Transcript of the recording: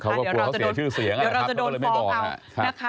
เขาก็กลัวเขาเสียชื่อเสียงครับเขาเลยไม่บอก